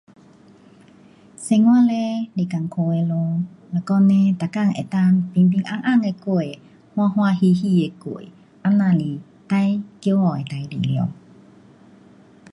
生活嘞是困苦的咯，若讲嘞每天能够平平安安的过，欢欢乐乐的过，这样是最骄傲的事情了。